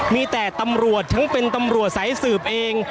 มีแต่ตำรวจทั้งเป็นตำรวจสายสืบเอง